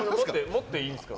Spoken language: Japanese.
持っていいですよ。